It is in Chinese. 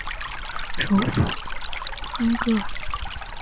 首府邦戈尔。